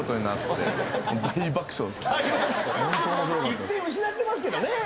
１点失ってますけどね。